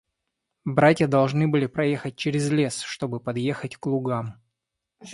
Братья должны были проехать через лес, чтобы подъехать к лугам.